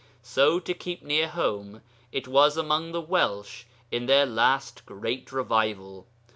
So to keep near home it was among the Welsh in their last great revival.